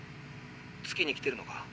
月に来てるのか？